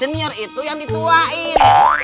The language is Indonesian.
senior itu yang dituain